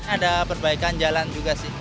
ada perbaikan jalan juga sih